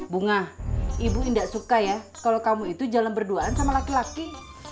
bunga ibu indah suka ya kalau kamu itu jalan berduaan sama laki laki